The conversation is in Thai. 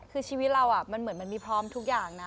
คือชีวิตเรามันเหมือนมันมีพร้อมทุกอย่างนะ